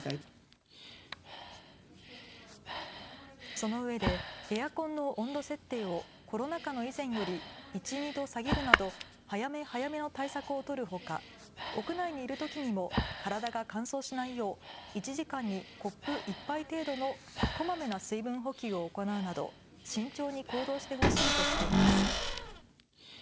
そのうえでエアコンの温度設定をコロナ禍の以前より１、２度下げるなど早め早めの対策を取るほか、屋内にいるときにも体が乾燥しないよう１時間にコップ１杯程度のこまめな水分補給を行うなど慎重に行動してほしいとしています。